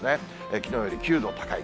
きのうより９度高い。